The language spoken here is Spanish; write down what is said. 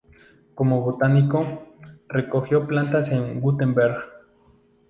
Como botánico, recogió plantas en Wurtemberg.